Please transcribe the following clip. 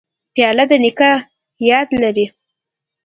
پیاله د نیکه یاد لري.